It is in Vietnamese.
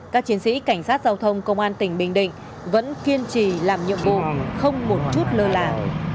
các chiến sĩ cảnh sát giao thông công an tỉnh bình định vẫn kiên trì làm nhiệm vụ không một chút lơ là